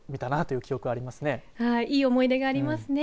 いい思い出がありますね。